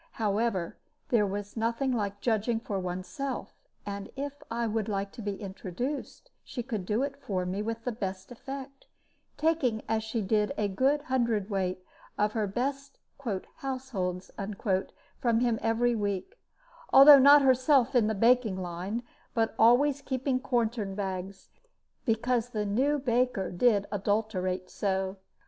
However, there was nothing like judging for one's self; and if I would like to be introduced, she could do it for me with the best effect; taking as she did a good hundred weight of best "households" from him every week, although not herself in the baking line, but always keeping quartern bags, because the new baker did adulterate so.